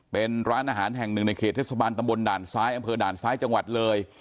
เป็นร้านอาหารแห่งหนึ่งในเขตเทศบาลตำบลด่านซ้ายอำเภอด่านซ้ายจังหวัดเลย